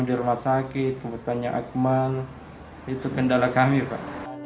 itu kendala kami pak